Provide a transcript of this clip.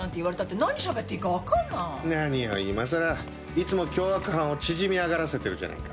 いつも凶悪犯を縮み上がらせてるじゃないか。